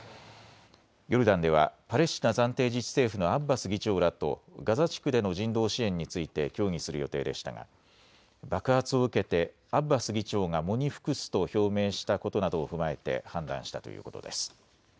ヨルダンではパレスチナ暫定自治政府のアッバス議長らとガザ地区での人道支援について協議する予定でしたが爆発を受けてアッバス議長が喪に服すと表明したことなどを踏まえて判断したということです。